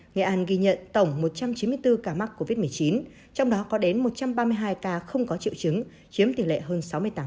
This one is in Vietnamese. nghệ an ghi nhận tổng một trăm chín mươi bốn ca mắc covid một mươi chín trong đó có đến một trăm ba mươi hai ca không có triệu chứng chiếm tỷ lệ hơn sáu mươi tám